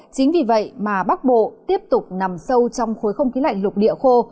chính vì vậy mà bắc bộ tiếp tục nằm sâu trong khối không khí lạnh lục địa khô